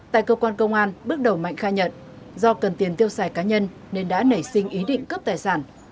tại cơ quan công an bước đầu mạnh khai nhận do cần tiền tiêu xài cá nhân nên đã nảy sinh ý định cướp tài sản